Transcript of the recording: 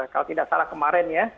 kalau tidak salah kemarin ya